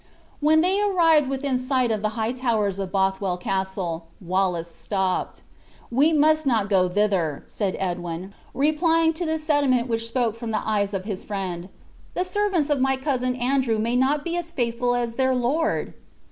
When they arrived within sight of the high towers of Bothwell Castle, Wallace stopped. "We must not go thither," said Edwin, replying to the sentiment which spoke from the eyes of his friend; "the servants of my cousin Andrew may not be as faithful as their lord!"